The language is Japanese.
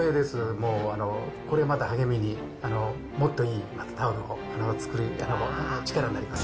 もう、これをまた励みに、もっといいタオルを作るための力になります。